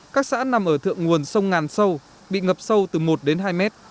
các xã nằm ở thượng nguồn sông ngàn sâu bị ngập sâu từ một đến hai mét